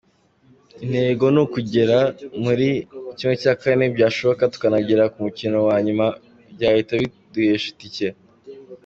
Intego ni ukugera muri ¼ byashoboka tukanagera ku mukino wa nyuma byahita biduhesha itike.